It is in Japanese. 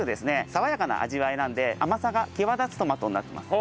爽やかな味わいなので甘さが際立つトマトになっています。